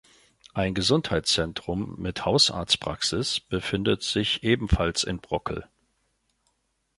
Ein Gesundheitszentrum mit Hausarztpraxis befindet sich ebenfalls in Brockel.